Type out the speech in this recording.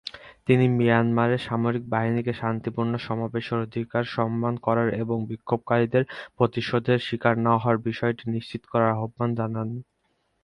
তিনি মিয়ানমারের সামরিক বাহিনীকে শান্তিপূর্ণ সমাবেশের অধিকারকে সম্মান করার এবং বিক্ষোভকারীদের প্রতিশোধের শিকার না হওয়ার বিষয়টি নিশ্চিত করার আহ্বান জানান।